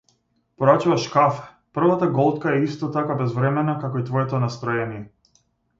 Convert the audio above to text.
Порачуваш кафе, првата голтка е исто така безвремена, како и твоето настроение.